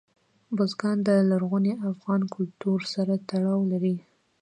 بزګان د لرغوني افغان کلتور سره تړاو لري.